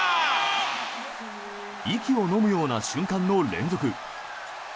息をのむような瞬間の連続。